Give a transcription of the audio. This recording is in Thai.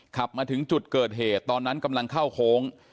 ขับมาถึงจุดเกิดเหตุตอนนั้นกำลังเข้าโค้ง